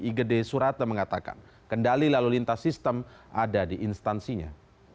igede surate mengatakan kendali lalu lintas sistem ada di instansinya